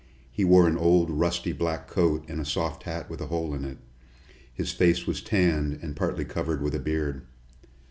He wore an old rusty black coat and a soft hat with a hole in it. His face was tanned and partly covered with a beard.